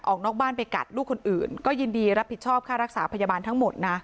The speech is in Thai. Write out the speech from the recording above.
ออกนอกบ้านไปกัดลูกคนอื่นก็ยินดีรับผิดชอบค่ารักษาพยาบาลทั้งหมดนะ